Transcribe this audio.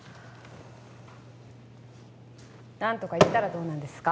何とか言ったらどうなんですか？